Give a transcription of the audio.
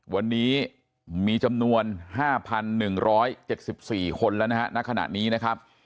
วันนี้มีจำนวน๕๑๗๔คนแล้วนะฮะณขณะนี้นะครับ